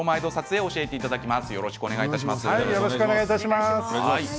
よろしくお願いします。